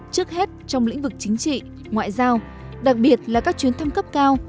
trước hết trong lĩnh vực chính trị ngoại giao đặc biệt là các chuyến thăm cấp cao